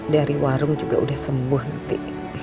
dari warung juga sudah sembuh nanti